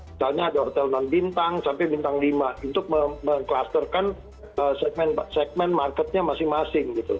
misalnya ada hotel non bintang sampai bintang lima untuk mengklasterkan segmen marketnya masing masing gitu